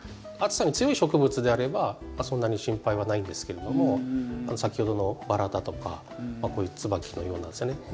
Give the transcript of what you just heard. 暑さに強い植物であればそんなに心配はないんですけれども先ほどのバラだとかこういうツバキのようなですね